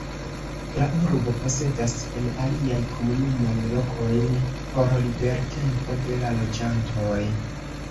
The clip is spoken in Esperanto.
La urbo posedas en aliaj komunumoj lokojn por libertempo de la loĝantoj.